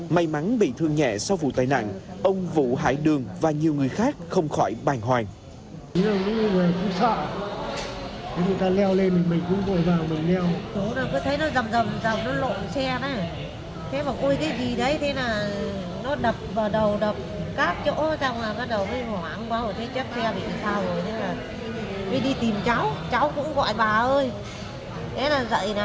may mắn bị thương nhẹ sau vụ tai nạn ông vũ hải đường và nhiều người khác không khỏi bàn hoàng